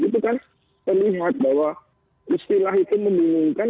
itu kan terlihat bahwa istilah itu membingungkan